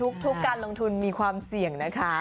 ทุกการลงทุนมีความเสี่ยงนะคะ